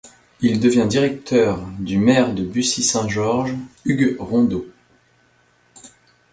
Il devient directeur du maire de Bussy-Saint-Georges Hugues Rondeau.